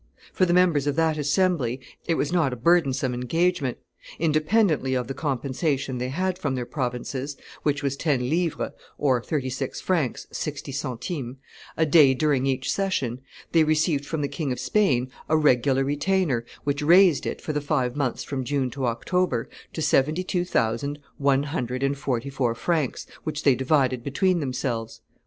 For the members of that assembly it was not a burdensome engagement; independently of the compensation they had from their provinces, which was ten livres (thirty six francs, sixty centimes) a day during each session, they received from the King of Spain a regular retainer, which raised it, for the five months from June to October, to seventy two thousand one hundred and forty four francs, which they divided between themselves.